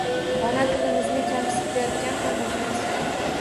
Ona tilimizni kamsitayotgan ham o‘zimiz